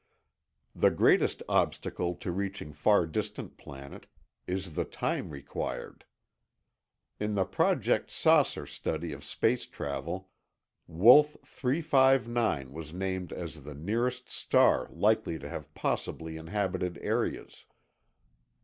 The greatest obstacle to reaching far distant planet is the time required. In the Project "Saucer" study of space travel, Wolf 359 was named as the nearest star likely to have possibly inhabited areas.